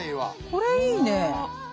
これいいね。